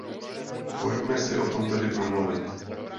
Pojďme si o tom tedy promluvit.